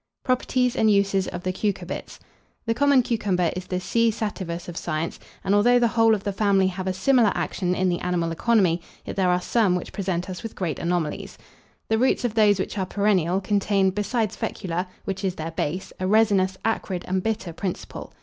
PROPERTIES AND USES OF THE CUCURBITS. The common cucumber is the C. sativus of science, and although the whole of the family have a similar action in the animal economy, yet there are some which present us with great anomalies. The roots of those which are perennial contain, besides fecula, which is their base, a resinous, acrid, and bitter principle.